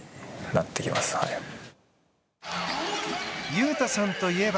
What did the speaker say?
雄太さんといえば。